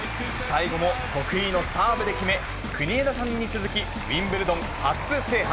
最後も得意のサーブで決め、国枝さんに続き、ウィンブルドン初制覇。